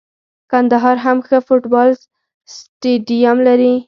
کندهار هم ښه فوټبال سټیډیم لري.